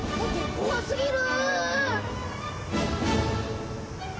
怖過ぎる。